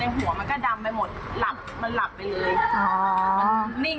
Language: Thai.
โทษอะไรก็ได้เพราะว่ารถผมก็พัง